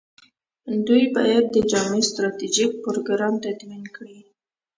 دوی باید جامع ستراتیژیک پروګرام تدوین کړي.